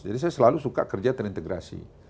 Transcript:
jadi saya selalu suka kerja terintegrasi